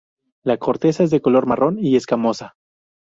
La corteza es de color marrón y escamosa.